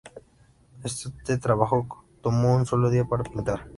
Este trabajo tomó sólo un día para pintar.